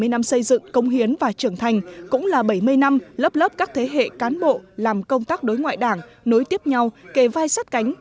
bảy mươi năm xây dựng công hiến và trưởng thành cũng là bảy mươi năm lớp lớp các thế hệ cán bộ làm công tác đối ngoại đảng nối tiếp nhau kề vai sát cánh